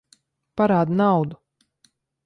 Parādi naudu!